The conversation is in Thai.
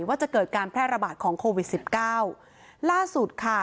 ว่าจะเกิดการแพร่ระบาดของโควิดสิบเก้าล่าสุดค่ะ